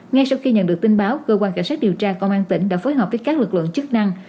ngay sau khi nhận được tin báo cơ quan cảnh sát điều tra công an tỉnh đã phối hợp với các lực lượng chức năng